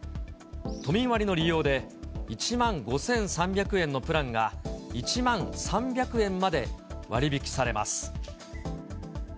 都民割の利用で、１万５３００円のプランが、１万３００円まで割り引きされます。